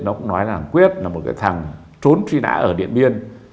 nó cũng nói là thằng quyết là một cái thằng trốn truy nã ở điện biên